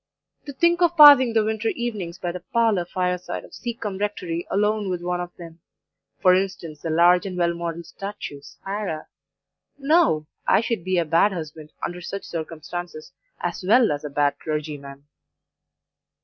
To think of passing the winter evenings by the parlour fire side of Seacombe Rectory alone with one of them for instance, the large and well modelled statue, Sarah no; I should be a bad husband, under such circumstances, as well as a bad clergyman.